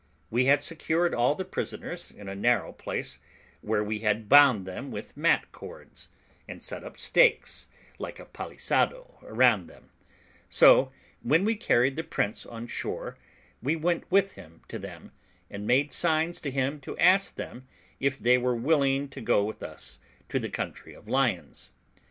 We had secured all the prisoners in a narrow place, where we had bound them with mat cords, and set up stakes like a palisado round them; so, when we carried the prince on shore, we went with him to them, and made signs to him to ask them if they were willing to go with us to the country of lions.